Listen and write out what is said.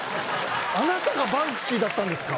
あなたがバンクシーだったんですか？